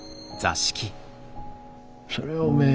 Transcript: それはおめえ